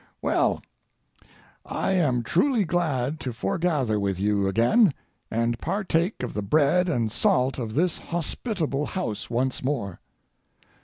Well, I am truly glad to foregather with you again, and partake of the bread and salt of this hospitable house once more.